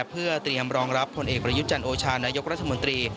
เพื่อเตรียมรองรับผลเอกประยุทธ์จันโอชานายกรัฐมนตรี